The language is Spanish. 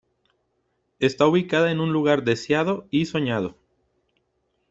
Está ubicada en un lugar deseado y soñado.